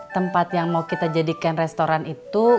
tempat yang mau kita jadikan restoran itu